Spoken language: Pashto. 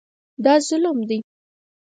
دا ظلم دی.